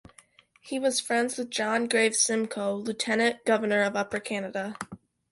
He was friends with John Graves Simcoe, Lieutenant Governor of Upper Canada.